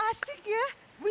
asik gitu ya